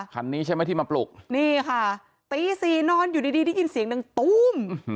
คันนี้ใช่ไหมที่มาปลุกนี่ค่ะตีสี่นอนอยู่ดีดีได้ยินเสียงหนึ่งตู้ม